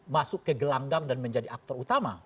masuk ke gelanggang dan menjadi aktor utama